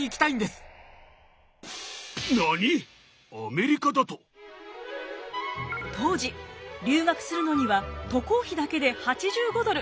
父さん当時留学するのには渡航費だけで８５ドル。